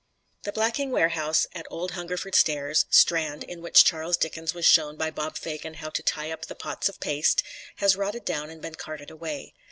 The blacking warehouse at Old Hungerford Stairs, Strand, in which Charles Dickens was shown by Bob Fagin how to tie up the pots of paste, has rotted down and been carted away.